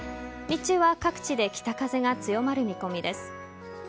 日中は各地で北風が強まる見込みです。